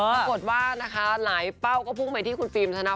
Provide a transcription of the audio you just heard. ปรากฎว่านะคะหลายเป้าก็พูดไปที่ฟิล์มธนภัทร